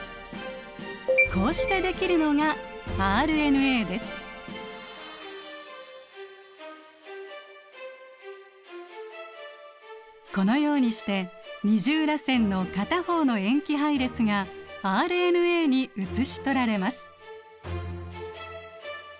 こうしてできるのがこのようにして二重らせんの片方の塩基配列がＲＮＡに写し取られます。